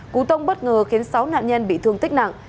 cú tông bất ngờ khiến sáu nạn nhân bị thương tích nặng